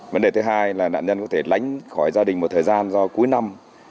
vấn đề thứ hai là nạn nhân có thể lánh khỏi gia đình một thời gian do cuối năm